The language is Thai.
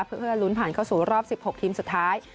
เพื่อลุ้นผ่านเข้าสู่รอบ๑๖ทีมสุดท้าย